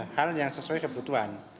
hal yang sesuai kebutuhan